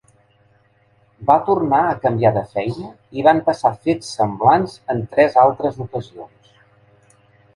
Va tornar a canviar de feina, i van passar fets semblants en tres altres ocasions.